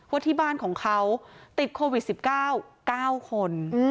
ว่าที่บ้านของเขาติดโควิด๑๙๙คน